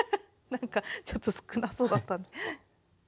なんかちょっと少なそうだった。